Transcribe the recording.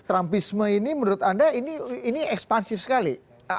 rampisme ini menurut anda ini ekspansif sekali